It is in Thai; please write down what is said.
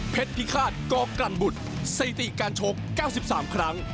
เพชรพิฆาตกรกรรมบุตรสถิติการชกเก้าสิบสามครั้ง